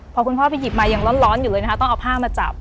พอคุณพ่อไปหยิบมายังร้อนอยู่เลยนะคะต้องเอาผ้ามาจับ